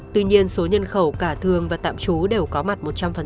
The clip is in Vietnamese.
tuy nhiên số nhân khẩu cả thường và tạm trú đều có mặt một trăm linh